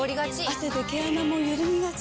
汗で毛穴もゆるみがち。